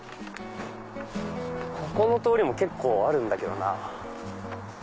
ここの通りも結構あるんだけどな。